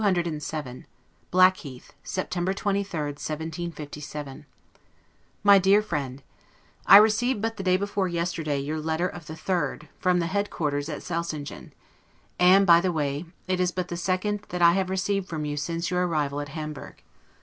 LETTER CCVII BLACKHEATH, September 23, 1757 MY DEAR FRIEND: I received but the day before yesterday your letter of the 3d, from the headquarters at Selsingen; and, by the way, it is but the second that I have received from you since your arrival at Hamburg.